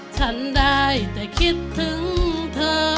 ฉันได้แต่คิดถึงเธอ